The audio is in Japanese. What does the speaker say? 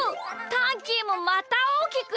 タンキーもまたおおきくなった。